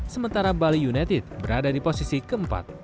sementara bali united berada di posisi ke empat